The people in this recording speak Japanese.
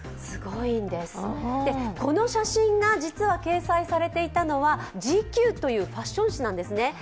この写真が実は掲載されていたのは「ＧＱ」というファッション誌なんですね。